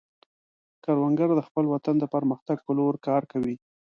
کروندګر د خپل وطن د پرمختګ په لور کار کوي